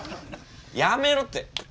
やめろって！